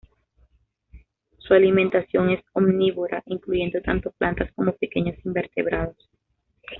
Su alimentación es omnívora, incluyendo tanto plantas como pequeños invertebrados.